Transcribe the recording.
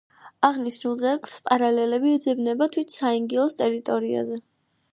აღნიშნულ ძეგლს პარალელები ეძებნება თვით საინგილოს ტერიტორიაზე.